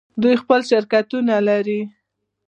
دوی خپل شرکتونه لري.